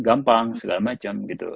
gampang segala macam gitu